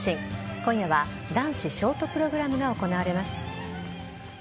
今夜は男子ショートプログラムが行われます。